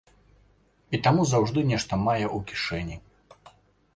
І таму заўжды нешта мае ў кішэні.